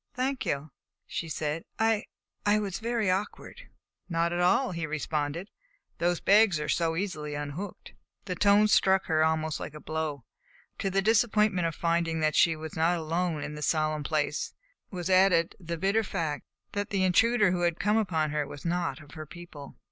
"Thank you," she said; "I I was very awkward." "Not at all," he responded. "Those bags are so easily unhooked." The tone struck her almost like a blow. To the disappointment of finding that she was not alone in this solemn place was added the bitter fact that the intruder who had come upon her was not of her people.